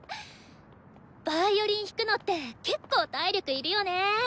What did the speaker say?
ヴァイオリン弾くのってけっこう体力いるよね。